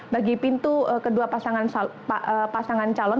bagi pintu kedua pasangan calon